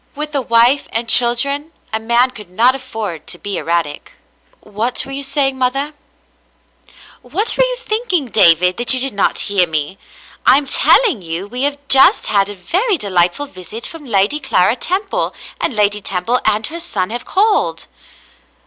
With a wife and children a man could not afford to be erratic. *'WTiat were you saying, mother?" *'^Vhat were you thinking, David, that you did not hear me ? I am telling you we have just had a very de lightful visit from Lady Clara Temple, and Lady Temple and her son have called."